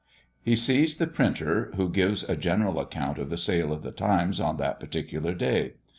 He sees the printer, who gives a general account of the sale of the Times on that particular day.